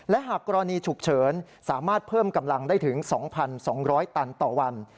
และหากกรณีฉุกเฉินสามารถเพิ่มกำลังได้ถึง๒๒๐๐ตันต่อวัน